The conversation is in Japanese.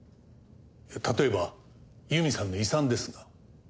例えば由美さんの遺産ですが。